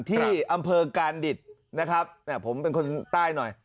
ที่อำเภอการดิตนะครับผมเป็นคนใต้หน่อย